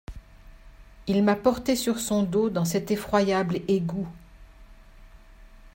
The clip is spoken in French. Il m’a porté sur son dos dans cet effroyable égout.